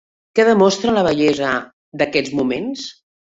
Què demostra la bellesa d'aquests moments?